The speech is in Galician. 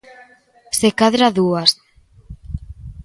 Se cadra dúas.